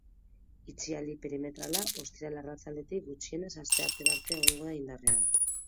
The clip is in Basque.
Itxialdi perimetrala ostiral arratsaldetik gutxienez asteartera arte egongo da indarrean.